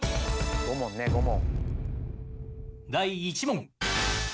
５問ね５問。